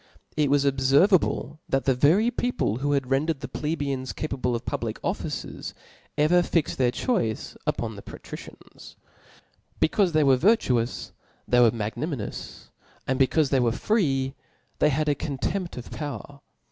— It was obferva ble that the very people who had rendered th^ ple beians capable of public offices^ ever fixied their choice upon the patricians. Becaufe they were virtuous, they were magnanimous; and becaufe they were free, they had a contempt of power.